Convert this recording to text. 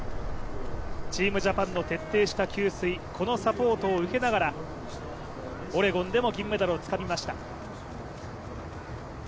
チームジャパンの徹底した給水、このサポートを受けながらオレゴンでも銀メダルをつかみました。